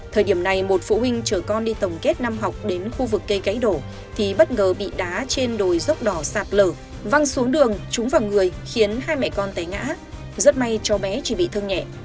thời điểm này một phụ huynh chở con đi tổng kết năm học đến khu vực cây cấy đổ thì bất ngờ bị đá trên đồi dốc đỏ sạt lở văng xuống đường trúng vào người khiến hai mẹ con tấy ngã rất may cháu bé chỉ bị thương nhẹ